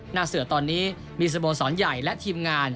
หน้าเสือตอนนี้มีสโมสรใหญ่และทีมงาน